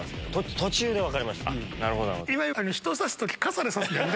途中で分かりました。